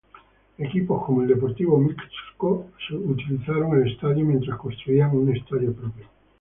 Equipos como el Deportivo Mixco utilizaron el estadio mientras construían un estadio propio.